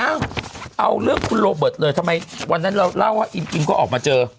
เอ้าเอาเรื่องคุณโรเบิร์ตเลยทำไมวันนั้นเราเล่าว่าอินก็ออกมาเจอ